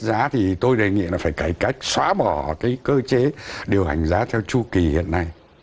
giá thì tôi đề nghị là phải cải cách xóa bỏ cái cơ chế điều hành giá theo chu kỳ hiện nay